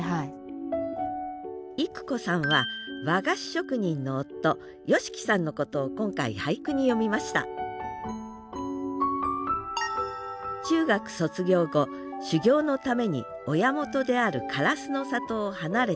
郁子さんは和菓子職人の夫芳樹さんのことを今回俳句に詠みました中学卒業後修業のために親元である唐洲の里を離れた芳樹さん。